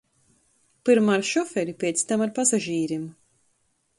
Pyrma ar šoferi, piec tam ar pasažīrim.